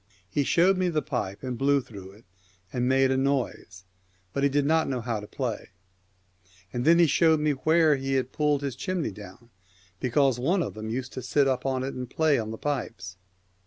He showed me the pipe, and blew through it, and made a noise, but he did not know how to play ; and then he showed me where he had pulled his chimney down, because one of them used to sit up on it and play on the pipes.